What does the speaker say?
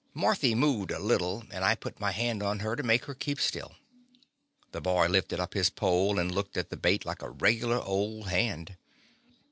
Marthy moved a little, and I put my hand on her to make her keep still. The boy lifted up his pole and looked at the bait like a regular old hand.